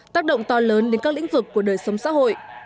tác động to lớn đến các lĩnh vực của đời sống xã hội